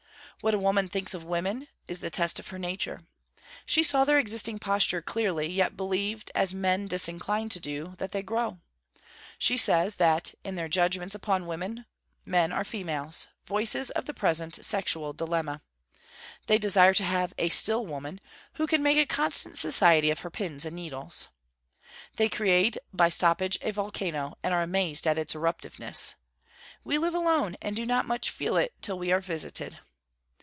What a woman thinks of women, is the test of her nature. She saw their existing posture clearly, yet believed, as men disincline to do, that they grow. She says, that 'In their judgements upon women men are females, voices of the present (sexual) dilemma.' They desire to have 'a still woman; who can make a constant society of her pins and needles.' They create by stoppage a volcano, and are amazed at its eruptiveness. 'We live alone, and do not much feel it till we are visited.'